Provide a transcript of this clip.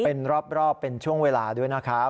เป็นรอบเป็นช่วงเวลาด้วยนะครับ